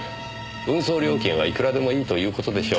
運送料金はいくらでもいいという事でしょう。